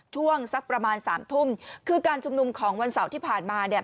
ช่วงสักประมาณสามทุ่มคือการชุมนุมของวันเสาร์ที่ผ่านมาเนี่ย